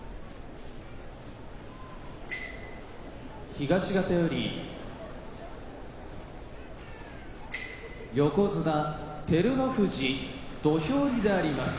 東方より横綱照ノ富士土俵入りであります。